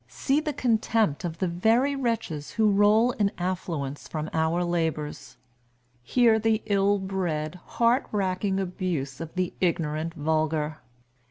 See the contempt of the very wretches who roll in affluence from our labors. Hear the ill bred, heart racking abuse of the ignorant vulgar.